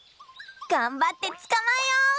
がんばってつかまえよう！